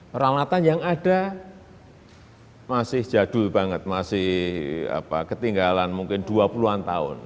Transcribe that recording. peralatan yang ada masih jadul banget masih ketinggalan mungkin dua puluh an tahun